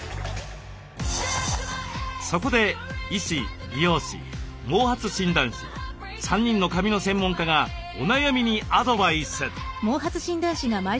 そこで医師美容師毛髪診断士３人の髪の専門家がお悩みにアドバイス。